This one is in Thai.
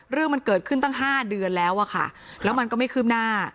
เรื่องมันเกิดขึ้นตั้ง๕เดือนแล้วอะค่ะแล้วมันก็ไม่คืบหน้า